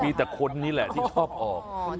มีแต่คนนี้แหละที่ชอบออก